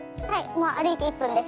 もう歩いて１分です